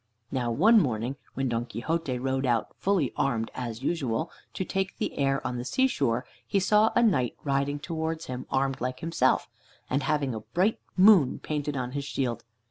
Now, one morning, when Don Quixote rode out, fully armed as usual, to take the air on the seashore, he saw a knight riding towards him, armed like himself, and having a bright moon painted on his shield.